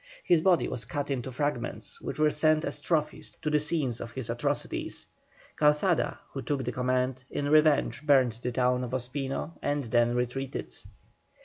His body was cut into fragments, which were sent as trophies to the scenes of his atrocities. Calzada, who took the command, in revenge burned the town of Ospino and then retreated.